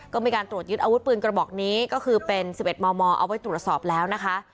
ก็มีการตรวจยึดอาวุธปืนกระบอกนี้ก็คือเป็น๑๑มมเอาไว้ตรวจสอบแล้วนะคะ